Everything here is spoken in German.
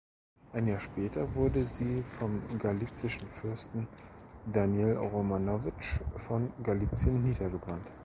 Ein Jahr später wurde sie vom galizischen Fürsten Daniel Romanowitsch von Galizien niedergebrannt.